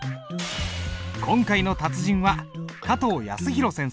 今回の達人は加藤泰弘先生。